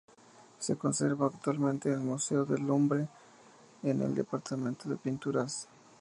Se conserva actualmente en el museo del Louvre en el departamento de pinturas.